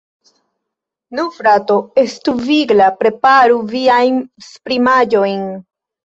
Nu, frato, estu vigla, preparu viajn spritaĵojn!